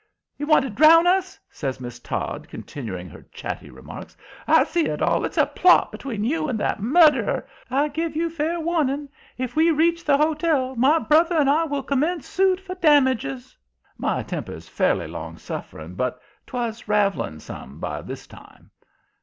"You want to drown us!" says Miss Todd, continuing her chatty remarks. "I see it all! It's a plot between you and that murderer. I give you warning; if we reach the hotel, my brother and I will commence suit for damages." My temper's fairly long suffering, but 'twas raveling some by this time.